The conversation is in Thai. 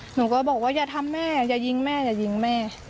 หนูก็บอกว่าอย่าทำแม่อย่ายิงแม่อย่ายิงแม่